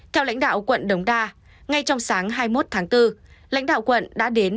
theo lãnh đạo quận đống đa ngay trong sáng hai mươi một tháng bốn lãnh đạo quận đã đến